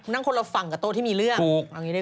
นางคนละฝั่งกับโตที่มีเรื่อง